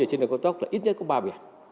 trên đường cao tốc là ít nhất có ba biển